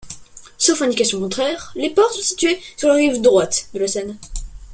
Sauf indication contraire, les ports sont situés sur la rive droite de la Seine.